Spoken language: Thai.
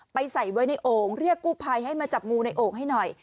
ใส่ไว้ในโอ่งเรียกกู้ภัยให้มาจับงูในโอ่งให้หน่อย